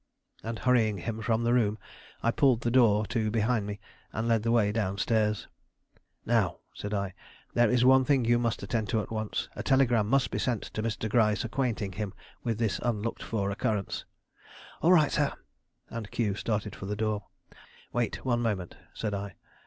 And, hurrying him from the room, I pulled the door to behind me, and led the way down stairs. "Now," said I, "there is one thing you must attend to at once. A telegram must be sent Mr. Gryce acquainting him with this unlooked for occurrence." "All right, sir," and Q started for the door. "Wait one moment," said I.